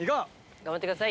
頑張ってください。